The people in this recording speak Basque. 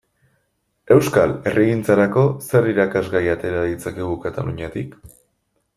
Euskal herrigintzarako zer irakasgai atera ditzakegu Kataluniatik?